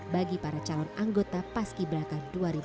bagi para calon anggota paski belakang duit